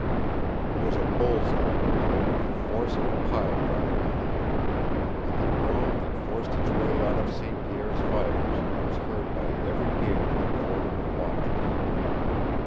It was a bull's eye blow with the force of a pile driver behind it, and the groan that forced its way out of St. Pierre's vitals was heard by every ear in the cordon of watchers.